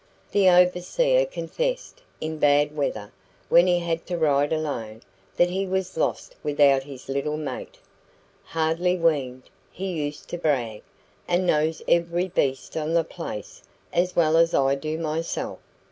The overseer confessed, in bad weather, when he had to ride alone, that he was lost without his little mate. "Hardly weaned," he used to brag, "and knows every beast on the place as well as I do myself."